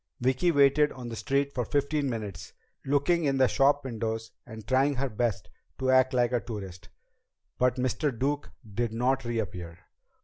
Vicki waited on the street for fifteen minutes, looking in the shopwindows and trying her best to act like a tourist. But Mr. Duke did not reappear.